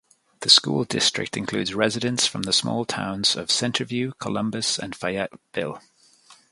The school district includes residents from the small towns of Centerview, Columbus and Fayetteville.